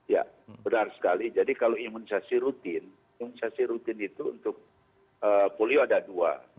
ya benar sekali jadi kalau imunisasi rutin imunisasi rutin itu untuk polio ada dua